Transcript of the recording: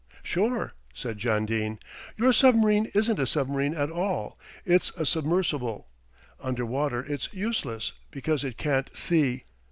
"Sure," said John Dene, "your submarine isn't a submarine at all, it's a submersible. Under water it's useless, because it can't see.